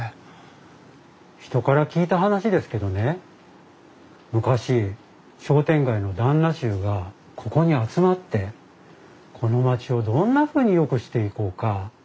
人から聞いた話ですけどね昔商店街の旦那衆がここに集まってこの街をどんなふうによくしていこうか話し合った場所らしいです。